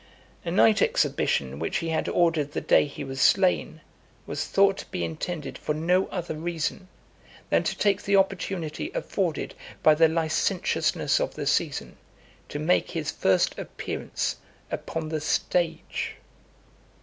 A night exhibition which he had ordered the day he was slain, was thought to be intended for no other reason, than to take the opportunity afforded by the licentiousness of the season, to make his first appearance upon the stage.